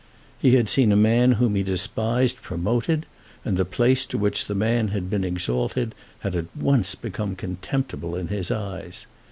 He had seen a man whom he despised promoted, and the place to which the man had been exalted had at once become contemptible in his eyes.